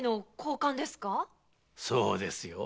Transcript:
そうですよ。